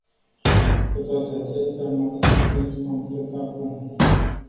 Cu toate acestea, m-ați surprins complet acum.